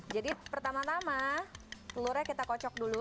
jadi pertama tama telurnya kita kocok dulu